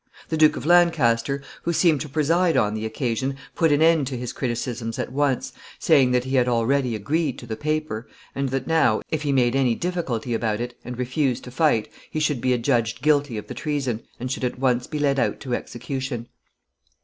The Duke of Lancaster, who seemed to preside on the occasion, put an end to his criticisms at once, saying that he had already agreed to the paper, and that now, if he made any difficulty about it, and refused to fight, he should be adjudged guilty of the treason, and should at once be led out to execution.